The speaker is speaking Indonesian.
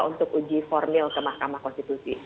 untuk uji formil ke mahkamah konstitusi